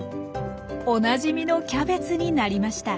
おなじみのキャベツになりました。